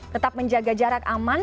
tetap menjaga jarak aman